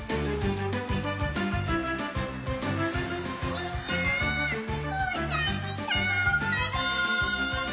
みんなうーたんにとまれ！